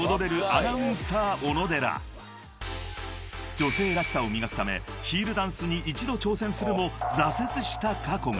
［女性らしさを磨くためヒールダンスに１度挑戦するも挫折した過去が］